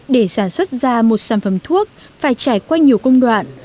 để sản xuất ra một sản phẩm thuốc phải trải qua nhiều công đoạn